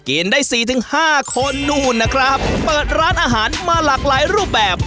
ได้สี่ถึงห้าคนนู่นนะครับเปิดร้านอาหารมาหลากหลายรูปแบบ